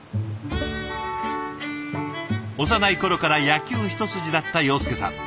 幼い頃から野球一筋だった庸介さん。